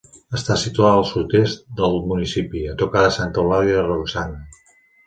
Està situada al sud-oest del municipi, a tocar de Santa Eulàlia de Ronçana.